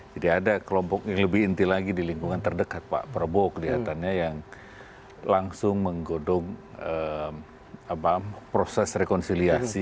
jadi ada kelompok yang lebih inti lagi di lingkungan terdekat pak prabowo kelihatannya yang langsung menggodong proses rekonsiliasi